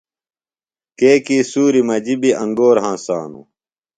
کیۡکی سُوریۡ مجیۡ بیۡ انگور ہنسانوۡ۔